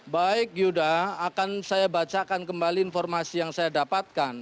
baik yuda akan saya bacakan kembali informasi yang saya dapatkan